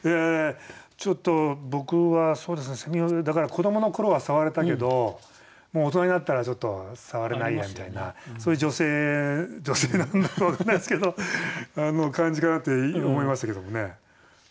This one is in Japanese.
ちょっと僕はをだから子どもの頃は触れたけどもう大人になったらちょっと触れないやみたいなそういう女性女性なのか分かんないですけど感じかなって思いましたけどもね。